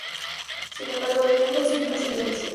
Sin embargo, debían conseguir más evidencias.